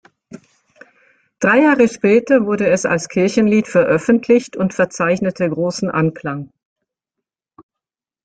Drei Jahre später wurde es als Kirchenlied veröffentlicht und verzeichnete großen Anklang.